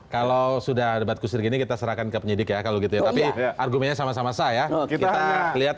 kalau sudah kita serahkan ke penyidik ya kalau gitu ya tapi argumennya sama sama saya lihat